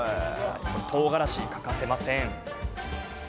とうがらしは欠かせません。